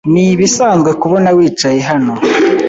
Nibisanzwe kukubona wicaye hano.